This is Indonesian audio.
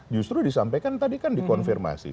justru disampaikan tadi kan dikonfirmasi